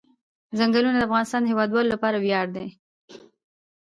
ځنګلونه د افغانستان د هیوادوالو لپاره ویاړ دی.